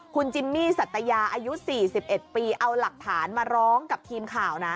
คุณจิมมี่สัตยาอายุ๔๑ปีเอาหลักฐานมาร้องกับทีมข่าวนะ